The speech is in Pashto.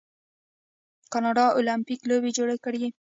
کاناډا المپیک لوبې جوړې کړي.